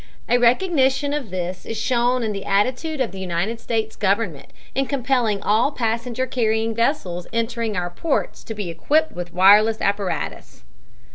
A recognition of this is shown in the attitude of the United States Government in compelling all passenger carrying vessels entering our ports to be equipped with wireless apparatus."